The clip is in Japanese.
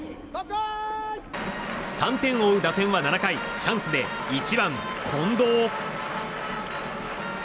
３点を追う打線は７回チャンスで１番、近藤。